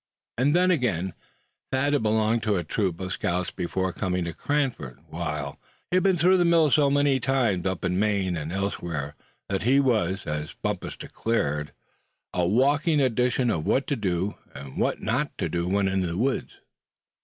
And then again, Thad had belonged to a troop of scouts before coming to Cranford; while, as for Allan, he had been through the mill so often up in Maine and elsewhere, that he was, as Bumpus declared, a "walking edition of what to do, and what not to do when in the woods."